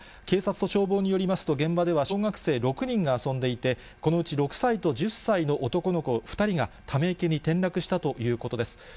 警察と消防によりますと、現場では小学生６人が遊んでいて、このうち６歳と１０歳の男の子２人が、ため池に転落したということです。